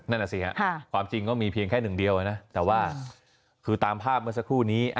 นั่นน่ะสิฮะความจริงก็มีเพียงแค่หนึ่งเดียวนะแต่ว่าคือตามภาพเมื่อสักครู่นี้